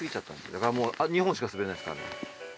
だからもう２本しか滑れないですからね。